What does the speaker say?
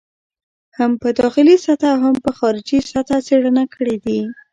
هم په داخلي سطحه او هم په خارجي سطحه څېړنه کړې دي.